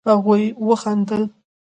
هغوئ وخندل.